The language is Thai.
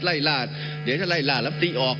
ไล่ซิได้สิผมไม่ท้าทายผมไม่ออก